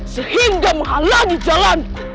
sehingga menghalangi jalanku